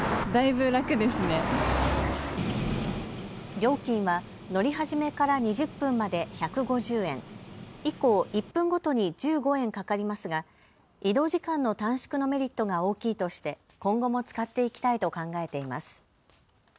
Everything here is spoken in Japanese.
料金は乗り始めから２０分まで１５０円、以降１分ごとに１５円かかりますが移動時間の短縮のメリットが大きいとして今後も使っていきたいと考えています。